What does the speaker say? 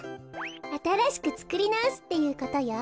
あたらしくつくりなおすっていうことよ。